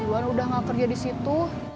iwan udah nggak kerja di situ